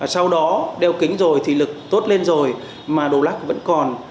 sau đó đeo kính rồi thị lực tốt lên rồi mà độ lắc vẫn còn